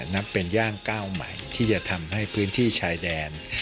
นับเป็นย่างก้าวใหม่ที่จะทำให้พื้นที่ชายแดน